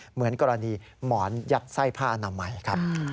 เหมือนกรณีหมอนยัดไส้ผ้าอนามัยครับ